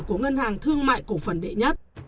của ngân hàng thương mại cổ phần đệ nhất